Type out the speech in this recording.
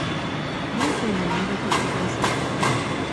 文章を入力してください